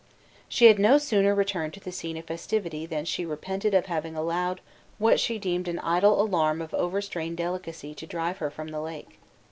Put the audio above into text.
She had no sooner returned to the scene of festivity than she repented of having allowed what she deemed an idle alarm of overstrained delicacy to drive her from the lake.